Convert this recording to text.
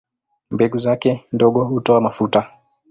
Mbegu zake ndogo hutoa mafuta.